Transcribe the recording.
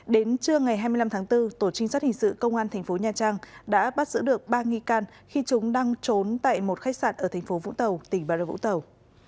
đến trưa ngày hai mươi năm tháng bốn tổ trinh sát hình sự công an tp nha trang đã bắt giữ được ba nghi can khi chúng đang trốn tại một khách sạn ở tp vũng tàu tỉnh bè đồng vũng tàu